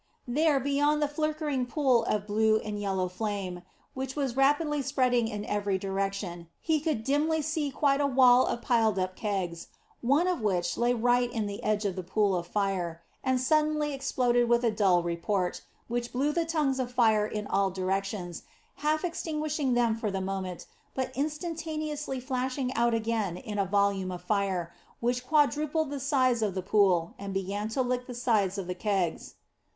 There, beyond the flickering pool of blue and yellow flame, which was rapidly spreading in every direction, he could dimly see quite a wall of piled up kegs, one of which lay right in the edge of the pool of fire, and suddenly exploded with a dull report, which blew the tongues of fire in all directions, half extinguishing them for the moment, but instantaneously flashing out again in a volume of fire, which quadrupled the size of the pool, and began to lick the sides of the kegs.